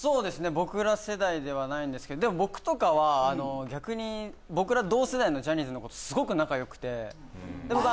僕ら世代ではないんですけどでも僕とかは逆に僕ら同世代のジャニーズの子とすごく仲良くてあっそう